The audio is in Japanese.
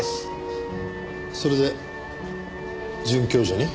それで准教授に？